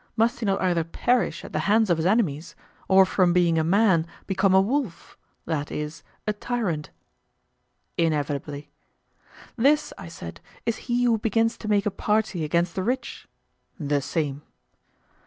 Must he not either perish at the hands of his enemies, or from being a man become a wolf—that is, a tyrant? Inevitably. This, I said, is he who begins to make a party against the rich? The same.